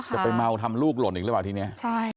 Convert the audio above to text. จะไปเมาทำลูกหล่นอีกหรือเปล่าทีนี้